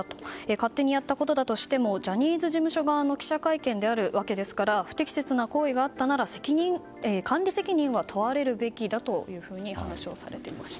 勝手にやったことだとしてもジャニーズ事務所側の記者会見であるわけですから不適切な行為があったなら管理責任は問われるべきだとお話しされていました。